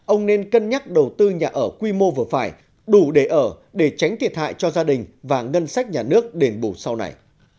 ông nên cân nhắc đầu tư nhà ở quy mô vừa phải đủ để ở để tránh thiệt hại cho gia đình và ngân sách nhà nước đền bù sau này